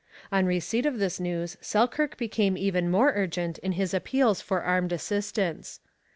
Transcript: On receipt of this news Selkirk became even more urgent in his appeals for armed assistance.